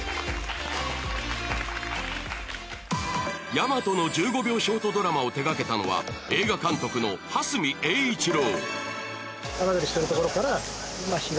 大和の１５秒ショートドラマを手掛けたのは映画監督の羽住英一郎。